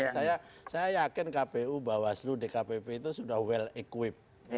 saya yakin kpu bahwa seluruh dkpp itu sudah well equipped